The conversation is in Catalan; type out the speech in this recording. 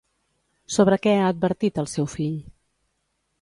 Sobre què ha advertit el seu fill?